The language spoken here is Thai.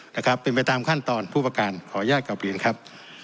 นะครับเป็นไปตามขั้นตอนผู้ประการขออนุญาตกลับเรียนครับ